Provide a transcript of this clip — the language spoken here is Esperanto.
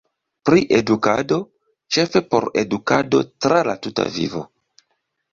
Pri edukado: ĉefe por edukado tra la tuta vivo.